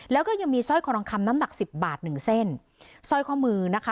แล้วก็ยังมีสร้อยคอทองคำน้ำหนักสิบบาทหนึ่งเส้นสร้อยข้อมือนะคะ